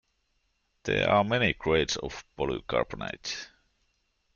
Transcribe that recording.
There are many grades of polycarbonate.